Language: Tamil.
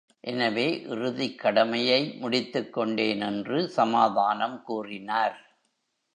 எனவே இறுதிக் கடமையை முடித்துக் கொண்டேன் என்று சமாதானம் கூறினார்.